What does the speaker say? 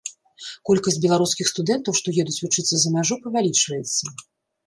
Колькасць беларускіх студэнтаў, што едуць вучыцца за мяжу, павялічваецца.